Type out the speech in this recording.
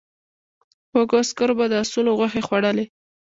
وږو عسکرو به د آسونو غوښې خوړلې.